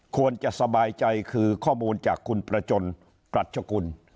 สบายใจคือข้อมูลจากคุณประจนปรัชกุล